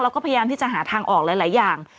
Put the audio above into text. แล้วก็พยายามที่จะหาทางออกหลายอย่าง